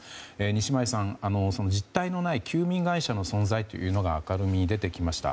西前さん、実体のない休眠会社の存在というものが明るみに出てきました。